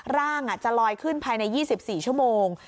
ร่างจะลอยขึ้นภายใน๒๔ชั่วโมง